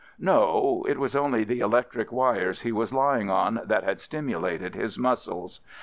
No! it was only the electric wires he was lying on that had stimulated his muscles.